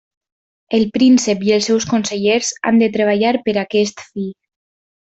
El príncep i els seus consellers han de treballar per aquest fi.